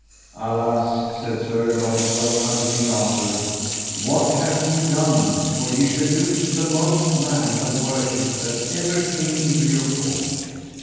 Alas, said Sir Launcelot unto King Arthur, what have ye done, for ye shall lose the most man of worship that ever came into your court.